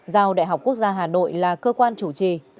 giao đại học quốc gia hà nội là cơ quan chủ trì